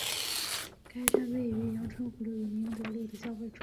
该站位于杨春湖路与明德路的交汇处。